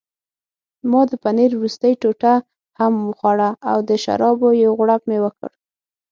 ما د پنیر وروستۍ ټوټه هم وخوړه او د شرابو یو غوړپ مې وکړ.